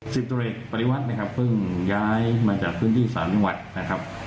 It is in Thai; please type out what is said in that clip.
ซิบตูเลชปริวัตต์นะครับเพิ่งย้ายมาจากพื้นที่สายนิ้วัตต์นะครับ